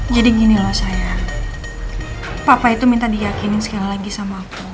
jadi gini loh sayang papa itu minta diyakinin sekali lagi sama aku